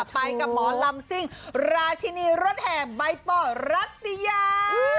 ไปกับหมอลำซิ่งราชินีรถแห่ใบป่อรัตยา